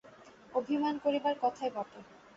অভিমান করিবার কথাই বটে।